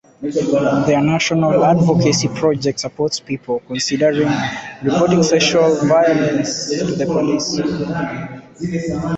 Their National Advocacy Project supports people considering reporting sexual violence to the police.